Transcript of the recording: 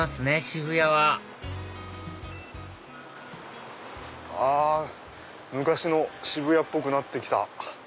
渋谷はあ昔の渋谷っぽくなって来た。